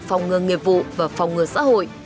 phòng ngừa nghiệp vụ và phòng ngừa xã hội